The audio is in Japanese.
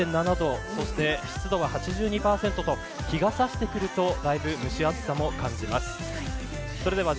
気温が３０．７度そして湿度が８２％と日が差してくるとだいぶ、蒸し暑さも感じます。